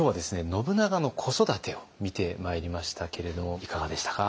信長の子育てを見てまいりましたけれどいかがでしたか。